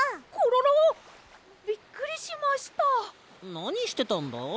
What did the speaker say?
なにしてたんだ？